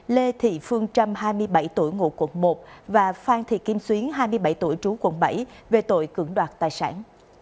lê thị phương trâm hai mươi bảy tuổi ngụ quận một và phan thị kim xuyến hai mươi bảy tuổi trú quận bảy về tội cưỡng đoạt tài sản